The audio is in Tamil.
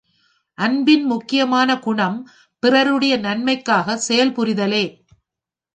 அன்பின் முக்கியமான குணம் பிறருடைய நன்மைக்காகச் செயல்புரிதலே.